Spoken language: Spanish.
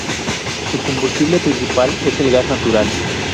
Su combustible principal es el gas natural.